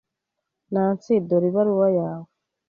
Nancy, dore ibaruwa yawe.